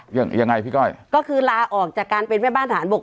ยังไงพี่ก้อยก็คือลาออกจากการเป็นแม่บ้านฐานบก